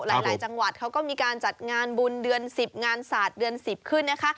หลายจังหวัดเขาก็มีการจัดงานบุญเดือน๑๐งานศาสตร์เดือน๑๐ขึ้นนะคะ